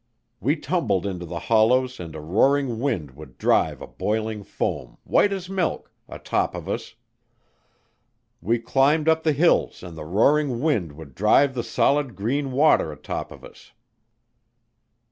We tumbled into the hollows and a roaring wind would drive a boiling foam, white as milk, atop of us; we climbed up the hills and the roaring wind would drive the solid green water atop of us.